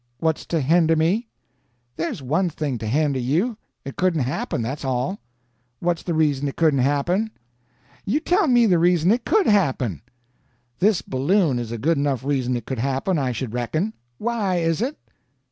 What's to hender me?" "There's one thing to hender you: it couldn't happen, that's all." "What's the reason it couldn't happen?" "You tell me the reason it could happen." "This balloon is a good enough reason it could happen, I should reckon." "Why is it?"